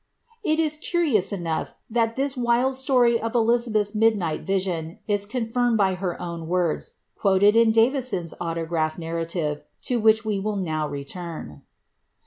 "* It 18 curious enough, that this wild story of Elizabeth's midnight rition is confirmed by her own words, quoted in Davison's autograph narrative, to which we will now return.